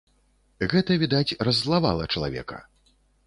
Гэта, відаць, раззлавала чалавека.